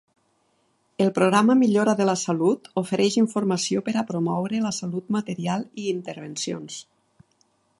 El programa Millora de la salut ofereix informació per a promoure la salut, material i intervencions.